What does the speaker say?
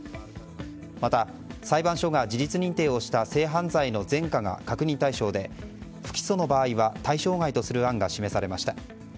また、裁判所が事実認定をした性犯罪の前科が確認対象で不起訴の場合は対象外とする案が示されました。